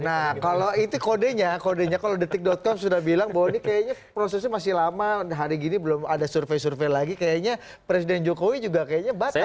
nah kalau itu kodenya kodenya kalau detik com sudah bilang bahwa ini kayaknya prosesnya masih lama hari gini belum ada survei survei lagi kayaknya presiden jokowi juga kayaknya batal